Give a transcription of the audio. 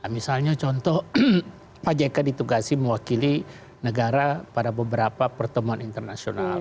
misalnya contoh pak jk ditugasi mewakili negara pada beberapa pertemuan internasional